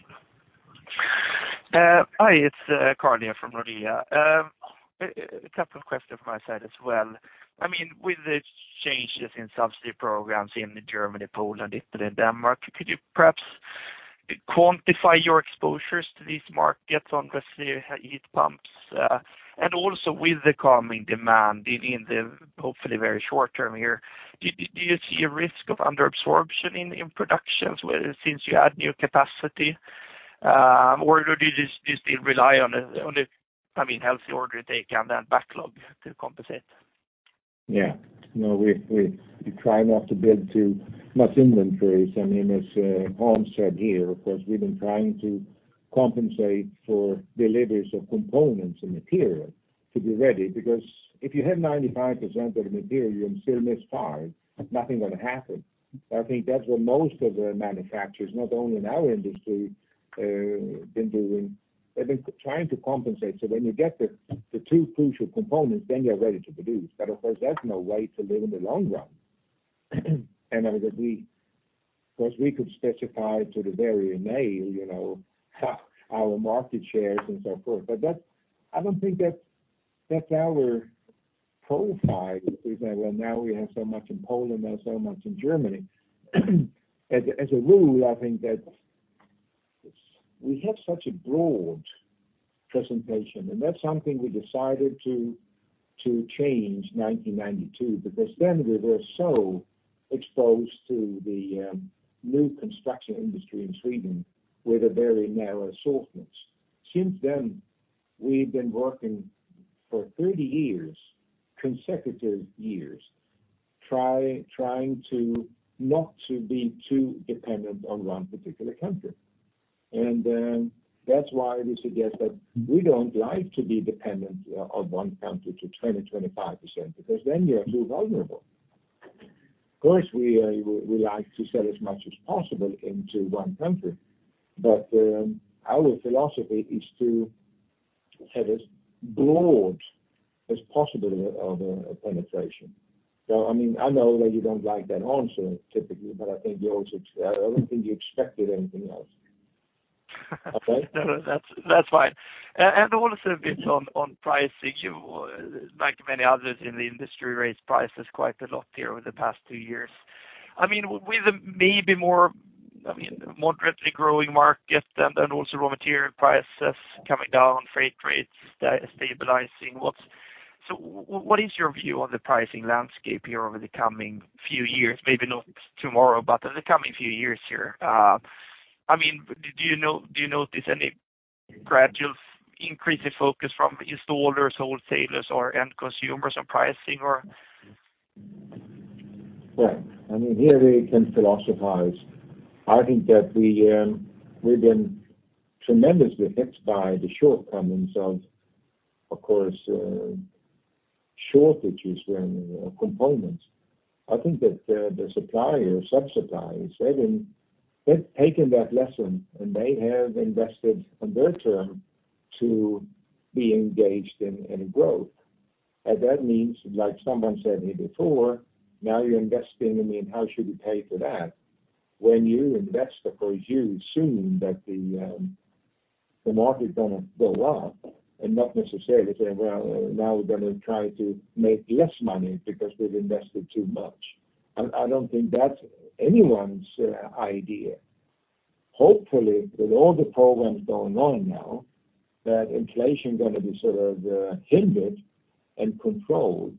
Hi, it's Carl here from Nordea. A couple of questions from my side as well. I mean, with the changes in subsidy programs in Germany, Poland, Italy, and Denmark, could you perhaps quantify your exposures to these markets on the heat pumps? Also with the calming demand in the hopefully very short term here, do you see a risk of under absorption in productions, where since you add new capacity, or do you just, you still rely on the, I mean, healthy order they can then backlog to compensate? Yeah. No, we, we try not to build too much inventories. I mean, as Hans said here, of course, we've been trying to compensate for deliveries of components and material to be ready, because if you have 95% of the material, you still miss 5, nothing gonna happen. I think that's what most of the manufacturers, not only in our industry, been doing. They've been trying to compensate, so when you get the, the two crucial components, then you're ready to produce. Of course, that's no way to live in the long run. Obviously, because we could specify to the very day, you know, our market shares and so forth. I don't think that's, that's our profile, is that, well, now we have so much in Poland and so much in Germany. As a rule, I think that we have such a broad presentation, and that's something we decided to change 1992, because then we were so exposed to the new construction industry in Sweden with a very narrow assortment. Since then, we've been working for 30 years, consecutive years, trying to not to be too dependent on one particular country. That's why we suggest that we don't like to be dependent on one country to 20-25%, because then you're too vulnerable. Of course, we like to sell as much as possible into one country, but our philosophy is to have as broad as possible of a penetration. I mean, I know that you don't like that answer, typically, but I think you also, I don't think you expected anything else. Okay? No, no, that's, that's fine. And also a bit on, on pricing, you, like many others in the industry, raised prices quite a lot here over the past two years. I mean, with maybe more, I mean, more rapidly growing market than, and also raw material prices coming down, freight rates stabilizing. What is your view on the pricing landscape here over the coming few years? Maybe not tomorrow, but in the coming few years here. I mean, do you know, do you notice any gradual increase in focus from installers, wholesalers, or end consumers on pricing, or? Well, I mean, here we can philosophize. I think that we, we've been tremendously hit by the shortcomings of, of course, shortages in components. I think that, the suppliers subsidize. They've been, they've taken that lesson, and they have invested on their term to be engaged in, in growth. That means, like someone said here before, now you're investing in me, and how should we pay for that? When you invest, of course, you assume that the, the market's gonna go up and not necessarily say, "Well, now we're gonna try to make less money because we've invested too much." I, I don't think that's anyone's idea. Hopefully, with all the programs going on now, that inflation gonna be sort of, hindered and controlled,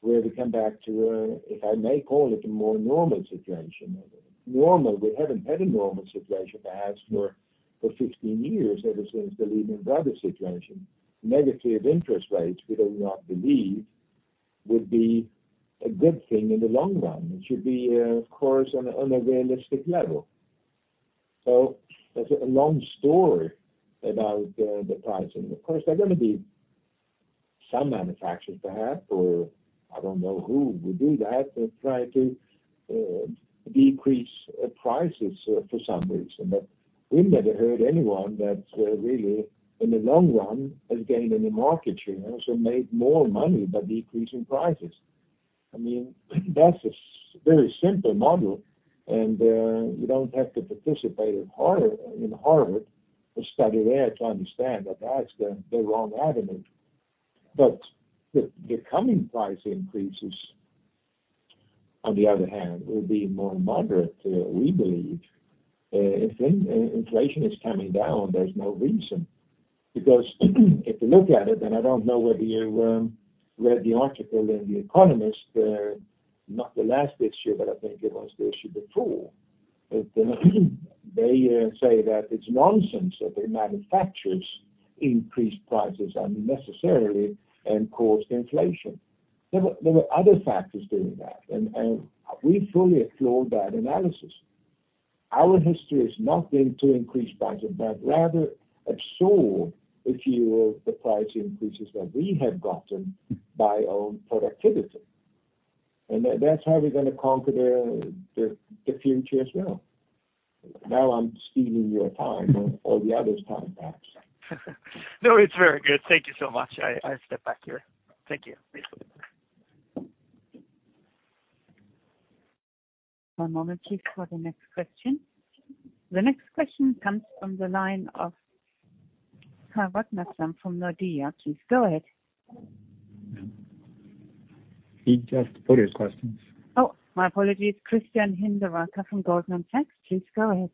where we come back to a, if I may call it, a more normal situation. Normal, we haven't had a normal situation perhaps for, for 15 years, ever since the Lehman Brothers situation. Negative interest rates, we do not believe would be a good thing in the long run. It should be, of course, on a, on a realistic level. That's a long story about the pricing. Of course, there are gonna be some manufacturers perhaps, or I don't know who would do that, but try to decrease prices for some reason. We never heard anyone that really, in the long run, has gained any market share and also made more money by decreasing prices. I mean, that's a very simple model, and you don't have to participate in Harvard, in Harvard to study there to understand that that's the, the wrong avenue. The coming price increases. On the other hand, will be more moderate, we believe. If inflation is coming down, there's no reason, because if you look at it, and I don't know whether you read the article in The Economist, not the last issue, but I think it was the issue before. Then they say that it's nonsense, that the manufacturers increased prices unnecessarily and caused inflation. There were, there were other factors doing that, we fully applaud that analysis. Our history has not been to increase prices, but rather absorb a few of the price increases that we have gotten by own productivity. That- that's how we're gonna conquer the, the, the future as well. Now, I'm stealing your time or, or the others' time perhaps. No, it's very good. Thank you so much. I step back here. Thank you. One moment, please, for the next question. The next question comes from the line of Nathan Kebede from Nordea. Please, go ahead. He just put his questions. Oh, my apologies, Christian Hinderaker from Goldman Sachs. Please go ahead.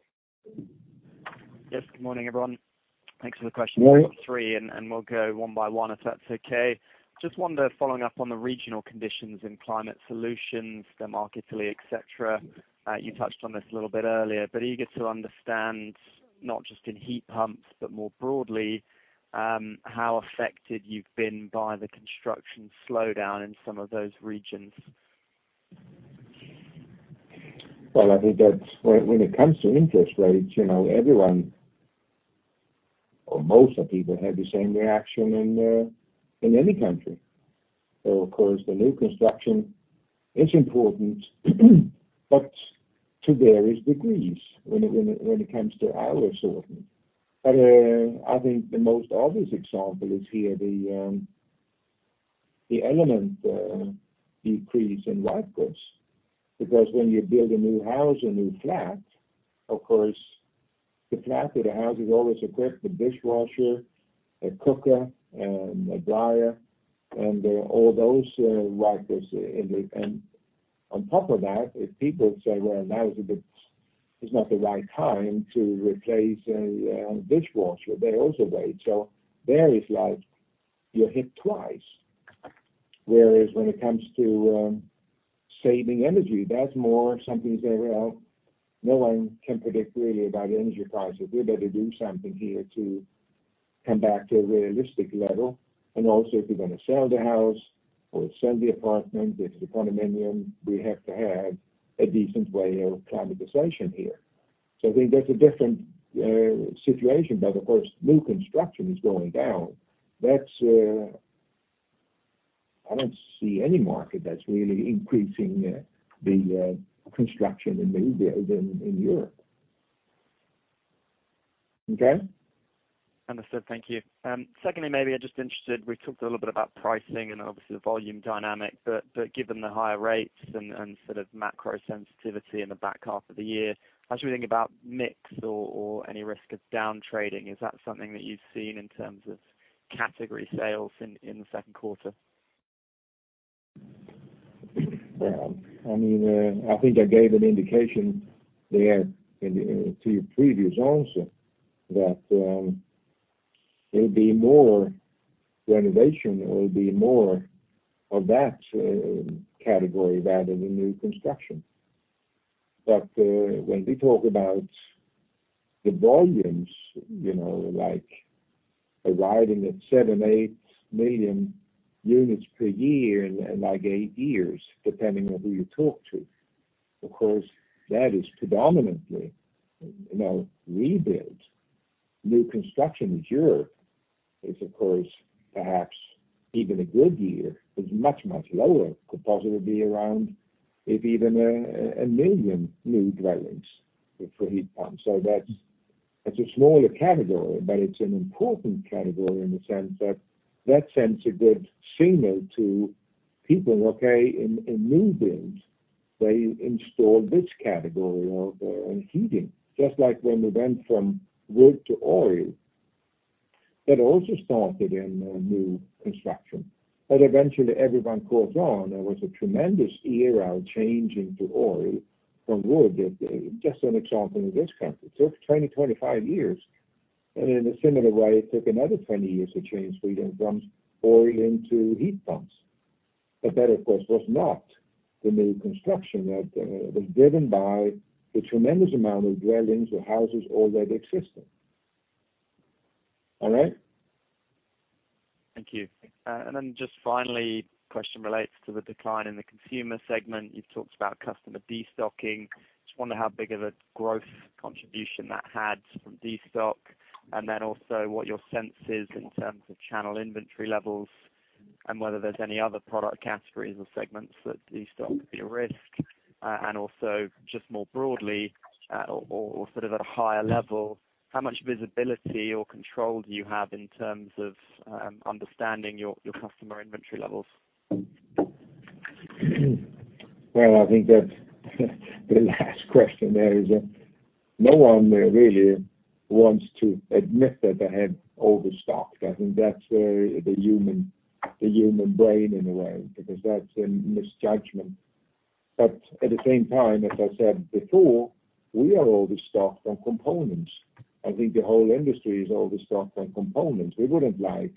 Yes, good morning, everyone. Thanks for the question. Morning. I've got three, and, and we'll go one by one, if that's okay. Just wonder, following up on the regional conditions in Climate Solutions, the market, et cetera. You touched on this a little bit earlier, but eager to understand, not just in heat pumps, but more broadly, how affected you've been by the construction slowdown in some of those regions? Well, I think that's when, when it comes to interest rates, you know, everyone or most of the people have the same reaction in any country. Of course, the new construction is important, but to various degrees when it, when it, when it comes to our assortment. I think the most obvious example is here, the element decrease in white goods, because when you build a new house, a new flat, of course, the flat or the house is always equipped with dishwasher, a cooker, a dryer, and all those white goods in the. On top of that, if people say, "Well, now is a bit, is not the right time to replace a dishwasher," they also wait. There is like you're hit twice. Whereas when it comes to saving energy, that's more something you say, "Well, no one can predict really about energy prices. We better do something here to come back to a realistic level." Also, if you're gonna sell the house or sell the apartment, if it's a condominium, we have to have a decent way of climatization here. I think that's a different situation. Of course, new construction is going down. I don't see any market that's really increasing the construction in the in, in Europe. Okay? Understood. Thank you. Secondly, maybe I'm just interested, we talked a little bit about pricing and obviously the volume dynamic, but given the higher rates and sort of macro sensitivity in the back half of the year, how do you think about mix or any risk of down trading? Is that something that you've seen in terms of category sales in the Q2? Well, I mean, I think I gave an indication there in the two previous also, that there'll be more renovation or there'll be more of that category rather than new construction. When we talk about the volumes, you know, like arriving at 7-8 million units per year in like eight years, depending on who you talk to, of course, that is predominantly, you know, rebuild. New construction in Europe is, of course, perhaps even a good year, is much, much lower. Could possibly be around, if even 1 million new dwellings for heat pumps. That's, that's a smaller category, but it's an important category in the sense that, that sends a good signal to people, okay, in, in new builds, they install this category of in heating. Just like when we went from wood to oil, that also started in new construction, but eventually everyone caught on. There was a tremendous era change into oil from wood, just an example in this country. Took 20-25 years, and in a similar way, it took another 20 years to change Sweden from oil into heat pumps. That, of course, was not the new construction that was driven by the tremendous amount of dwellings or houses already existing. All right? Thank you. Then just finally, question relates to the decline in the consumer segment. You've talked about customer destocking. Just wonder how big of a growth contribution that had from destock, and then also what your sense is in terms of channel inventory levels, and whether there's any other product categories or segments that destock could be a risk? Also, just more broadly, or, or sort of at a higher level, how much visibility or control do you have in terms of, understanding your, your customer inventory levels? Well, I think that the last question there is no one really wants to admit that they have overstocked. I think that's the human, the human brain in a way, because that's a misjudgment. At the same time, as I said before, we are overstocked on components. I think the whole industry is overstocked on components. We wouldn't like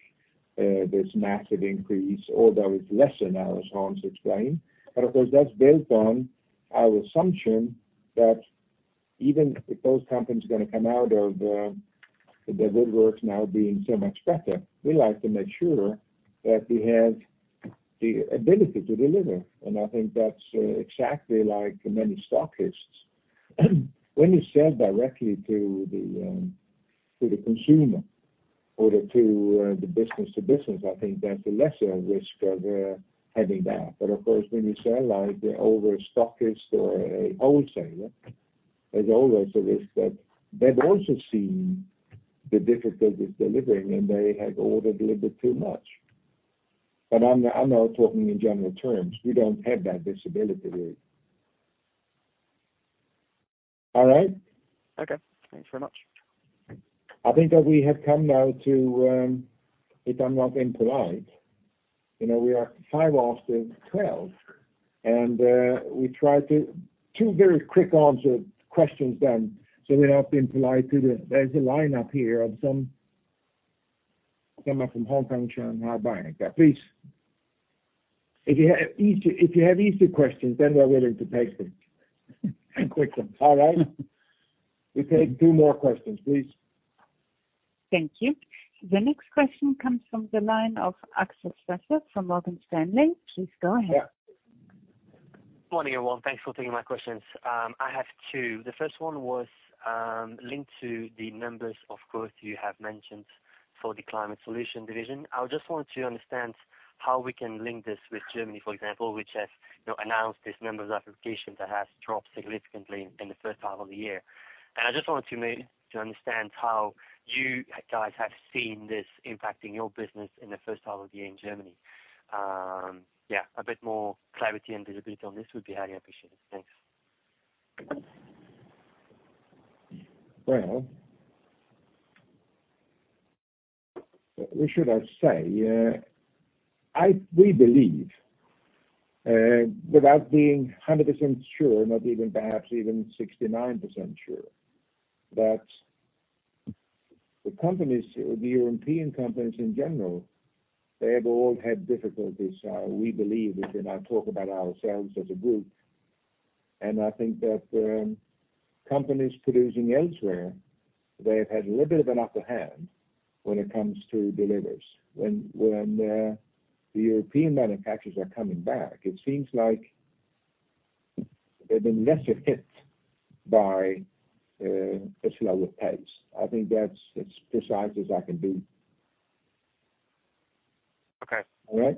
this massive increase, although it's less now, as Hans explained. Of course, that's based on our assumption that even if those companies are gonna come out of the woodworks now being so much better, we like to make sure that we have the ability to deliver, and I think that's exactly like many stockists. When you sell directly to the consumer or to the business to business, I think that's a lesser risk of having that. Of course, when you sell, like, the older stockist or a wholesaler, there's always a risk that they've also seen the difficulty with delivering, and they have ordered a little bit too much. I'm now talking in general terms, we don't have that visibility really. All right? Okay, thanks very much. I think that we have come now to, if I'm not being polite, you know, we are five after 12. 2 very quick answer questions then, so we are being polite. There's a line up here of some, someone from Hong Kong, China, buying that. Please, if you have easy, if you have easy questions, then we're willing to take them. Quick ones. All right? We take 2 more questions, please. Thank you. The next question comes from the line of Axel Stasse from Morgan Stanley. Please go ahead. Yeah. Morning, everyone. Thanks for taking my questions. I have two. The first one was linked to the numbers, of course, you have mentioned for the Climate Solutions division. I just want to understand how we can link this with Germany, for example, which has, you know, announced this number of applications that has dropped significantly in the first half of the year. I just wanted to understand how you guys have seen this impacting your business in the first half of the year in Germany. Yeah, a bit more clarity and visibility on this would be highly appreciated. Thanks. Well, what should I say? I we believe, without being 100% sure, not even perhaps even 69% sure, that the companies, the European companies in general, they have all had difficulties. We believe, I talk about ourselves as a group, I think that companies producing elsewhere, they've had a little bit of an upper hand when it comes to delivers. When, when the European manufacturers are coming back, it seems like they've been lesser hit by a slower pace. I think that's as precise as I can be. Okay. All right?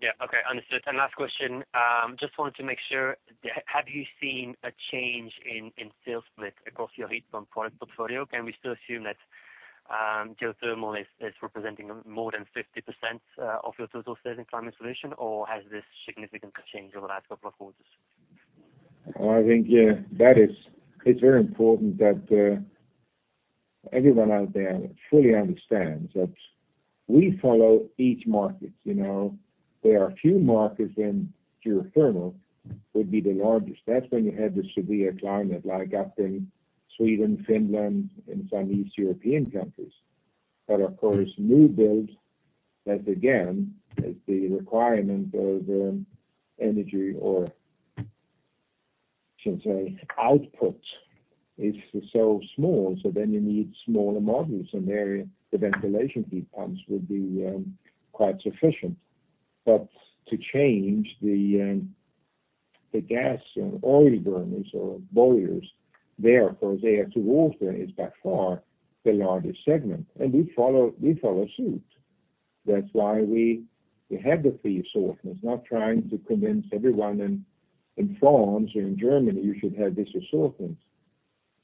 Yeah, okay. Understood. Last question, just wanted to make sure, have you seen a change in sales split across your heat pump product portfolio? Can we still assume that geothermal is representing more than 50% of your total sales in Climate Solutions, or has this significant change over the last couple of quarters? I think, yeah, that is- it's very important that everyone out there fully understands that we follow each market, you know? There are a few markets, and geothermal would be the largest. That's when you have the severe climate, like up in Sweden, Finland, and some East European countries. Of course, new builds, that's again, is the requirement of energy or should say, output, is so small, so then you need smaller modules, and there, the ventilation heat pumps would be quite sufficient. To change the gas and oil burners or boilers, there, of course, air to water is by far the largest segment, and we follow, we follow suit. That's why we, we have the three assortments, not trying to convince everyone in, in France or in Germany, you should have this assortment.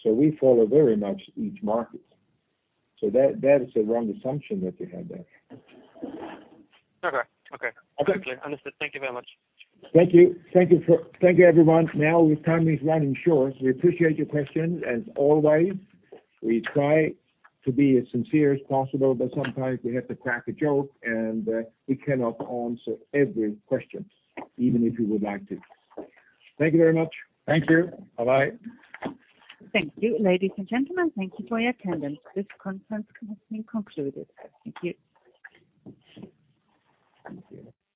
We follow very much each market. That, that is a wrong assumption that you have there. Okay. Okay. Okay. Understood. Thank you very much. Thank you. Thank you, everyone. Now, the time is running short. We appreciate your questions. As always, we try to be as sincere as possible, but sometimes we have to crack a joke, and we cannot answer every question, even if we would like to. Thank you very much. Thank you. Bye-bye. Thank you, ladies and gentlemen. Thank you for your attendance. This conference has been concluded. Thank you. Thank you.